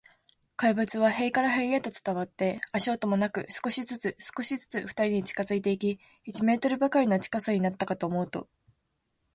怪物は塀から塀へと伝わって、足音もなく、少しずつ、少しずつ、ふたりに近づいていき、一メートルばかりの近さになったかと思うと、